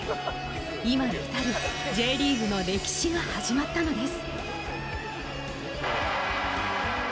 今に至るＪリーグの歴史が始まったのです。